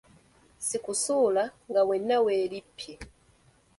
Si kusula nga wenna weerippye.